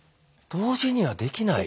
同時にはできない？